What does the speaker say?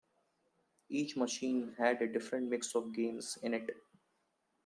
Each machine had a different mix of games in it.